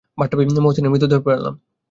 বাথটাবে মহসিনের মৃতদেহ পেলাম।